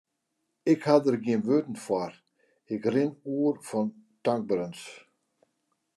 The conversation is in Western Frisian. Ik ha der gjin wurden foar, ik rin oer fan tankberens.